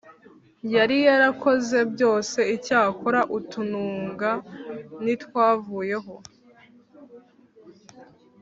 yari yarakoze byose Icyakora utununga ntitwavuyeho